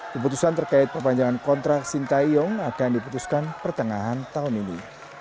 keputusan terkait perpanjangan kontrak sintayong akan diputuskan pertengahan tahun ini